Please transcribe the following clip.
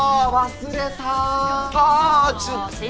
忘れた。